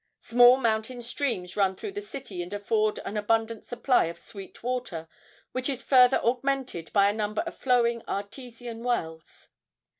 Small mountain streams run through the city and afford an abundant supply of sweet water, which is further augmented by a number of flowing artesian wells.